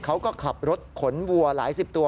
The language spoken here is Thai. เขาก็ขับรถขนวัวหลายสิบตัว